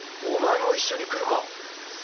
お前も一緒に来るか？